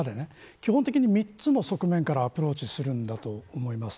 基本的に３つの側面からアプローチするんだと思います。